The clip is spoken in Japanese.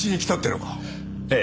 ええ。